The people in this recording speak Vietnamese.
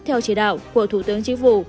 theo chỉ đạo của thủ tướng chính phủ